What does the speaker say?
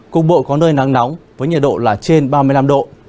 cục bộ có nơi nắng nóng với nhiệt độ là trên ba mươi năm độ